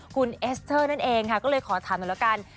คุณเอสเทอร์นั่นเองค่ะก็เลยสอบมากันขายว่า